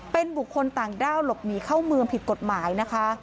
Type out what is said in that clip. เป็นบุคคลต่างด้าวหลบหนีเข้าเมืองผิดกฎหมายนะคะ